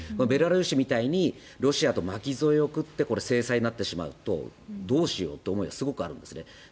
ベラルーシみたいにロシアの巻き添えを食って制裁になってしまうとどうしようという思いがすごくあるんですね。